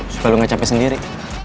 supaya lo gak capek sendiri